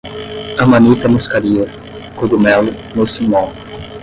amanita muscaria, cogumelo, muscimol